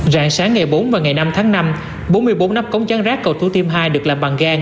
rạng sáng ngày bốn và ngày năm tháng năm bốn mươi bốn nắp cống trắng rác cầu thủ thiêm hai được làm bằng gang